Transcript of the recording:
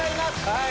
はい！